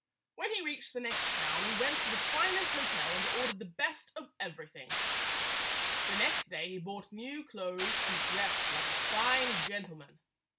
When he reached the next town he went to the finest hotel and ordered the best of every thing. The next day he bought new clothes and dressed like a fine gentleman.